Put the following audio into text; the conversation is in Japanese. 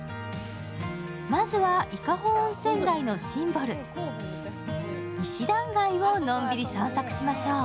まずは伊香保温泉街のシンボル、石段街をのんびり散策しましょう。